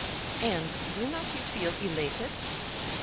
"And do not you feel elated?"